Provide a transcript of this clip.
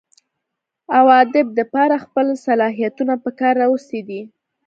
اوادب دپاره خپل صلاحيتونه پکار راوستي دي